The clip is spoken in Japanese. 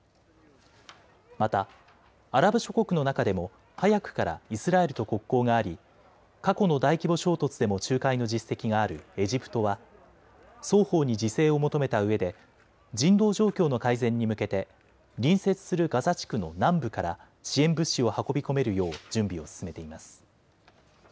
またアラブ諸国の中でも早くからイスラエルと国交があり過去の大規模衝突でも仲介の実績があるエジプトは双方に自制を求めたうえで人道状況の改善に向けて隣接するガザ地区の南部から支援物資を運び込めるよう準備を進めています。